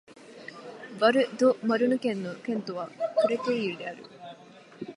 ヴァル＝ド＝マルヌ県の県都はクレテイユである